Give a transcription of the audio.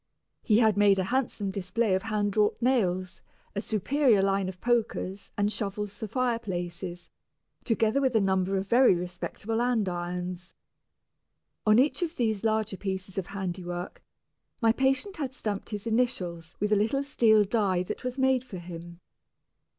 He had made a handsome display of hand wrought nails, a superior line of pokers and shovels for fireplaces, together with a number of very respectable andirons. On each of these larger pieces of handiwork my patient had stamped his initials with a little steel die that was made for him.